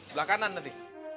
belah kanan nanti